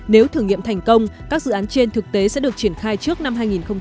nếu thử nghiệm thành công các dự án trên thực tế sẽ được triển khai trước năm hai nghìn hai mươi